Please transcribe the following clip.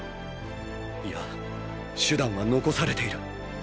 いや手段は残されている。